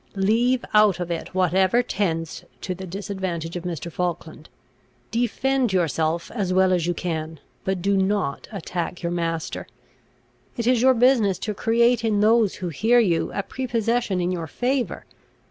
Leave out of it whatever tends to the disadvantage of Mr. Falkland. Defend yourself as well as you can, but do not attack your master. It is your business to create in those who hear you a prepossession in your favour.